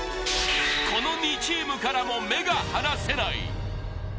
この２チームからも目が離せない。